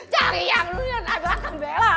cari yang lu lihat ada akar bella